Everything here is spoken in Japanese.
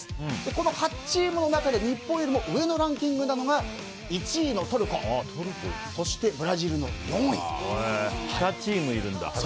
この８チームの中で日本よりも上のランキングなのが１位のトルコ２チームいるんだ。